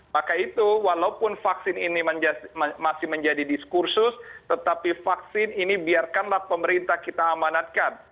maka itu walaupun vaksin ini masih menjadi diskursus tetapi vaksin ini biarkanlah pemerintah kita amanatkan